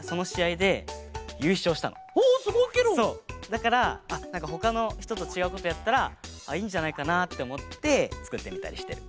だからほかのひととちがうことやったらいいんじゃないかなっておもってつくってみたりしてる。